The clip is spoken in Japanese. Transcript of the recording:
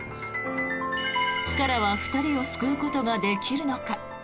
チカラは２人を救うことができるのか。